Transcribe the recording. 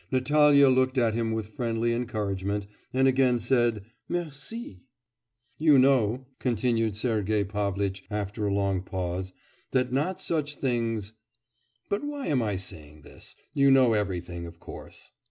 Natalya looked at him with friendly encouragement, and again said 'merci!' 'You know,' continued Sergei Pavlitch after a long pause, 'that not such things.... But why am I saying this? you know everything, of course.